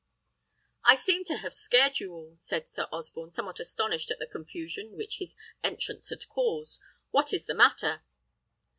"I seem to have scared you all," said Sir Osborne, somewhat astonished at the confusion which his entrance had caused. "What is the matter?"